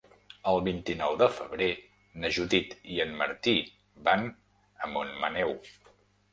El vint-i-nou de febrer na Judit i en Martí van a Montmaneu.